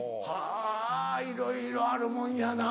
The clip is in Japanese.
はぁいろいろあるもんやな